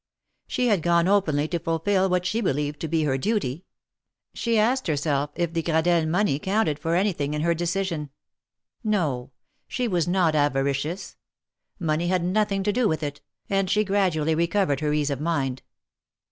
She had gone openly to fulfil what she believed to be her duty. She asked herself if the Gradelle money counted for anything in her decision. No; she was not avaricious. Money had nothing to do with it, and she gradually recovered her ease of mind.